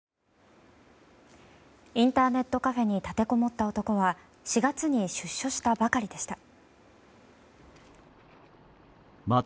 インターネットカフェに立てこもった男は４月に出所したばかりでした。